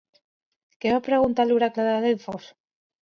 Què va preguntar a l'oracle de Delfos?